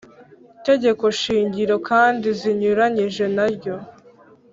tegekoshingiro kandi zinyuranyije na ryo